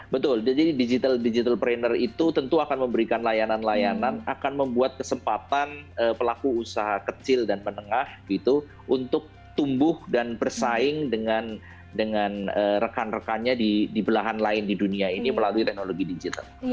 betul jadi digital digital trainer itu tentu akan memberikan layanan layanan akan membuat kesempatan pelaku usaha kecil dan menengah gitu untuk tumbuh dan bersaing dengan rekan rekannya di belahan lain di dunia ini melalui teknologi digital